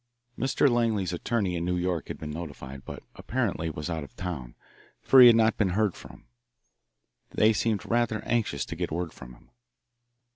Mr. Langley's attorney in New York had been notified, but apparently was out of town, for he had not been heard from. They seemed rather anxious to get word from him.